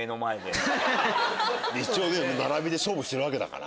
並びで勝負してるわけだから。